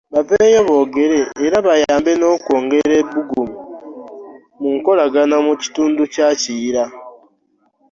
Baveeyo boogere era bayambe n’okwongera ebbugumu mu Nkolagana mu Kitundu kya Kiyira.